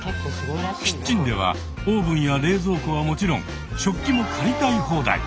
キッチンではオーブンや冷蔵庫はもちろん食器も借りたい放題。